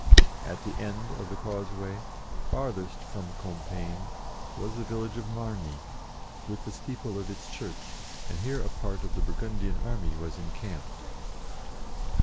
At the end of the causeway, farthest from Com piegne,"was the village of Margny, with the steeple of its church, and here a part of the Burgundian army was encamped.